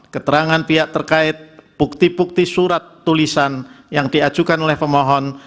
keterangan pihak terkait bukti bukti surat tulisan yang diajukan oleh pemohon